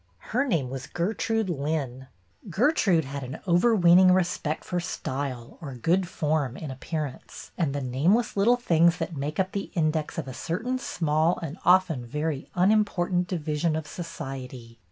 Her name was Gertrude Lynn. Gertrude had an overweening respect for style, or good form, in appearance, and the nameless little things that make up the index of a cer tain small and often very unimportant divi sion of society.